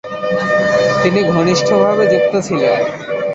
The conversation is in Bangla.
তিনি ঘনিষ্ঠভাবে যুক্ত ছিলেন।